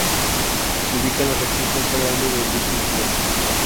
Se ubica en la región Costa Grande de dicha entidad.